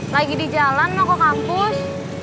lagi di jalan mau ke kampus